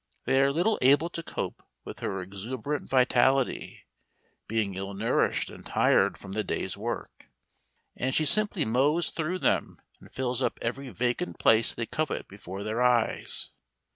They are little able to cope with her exuberant vitality, being ill nourished and tired from the day's work, and she simply mows through them and fills up every vacant place they covet before their eyes.